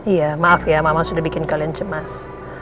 iya maaf ya mama sudah bikin kalian cemas